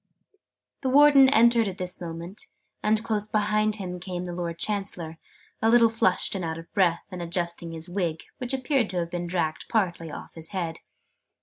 The Warden entered at this moment: and close behind him came the Lord Chancellor, a little flushed and out of breath, and adjusting his wig, which appeared to have been dragged partly off his head.